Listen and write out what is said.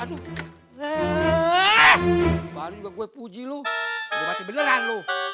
aduh baru gue puji lo udah mati beneran lo